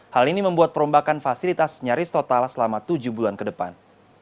hal ini membuat perombakan fasilitas nyaris total selama tujuh bulan ke depan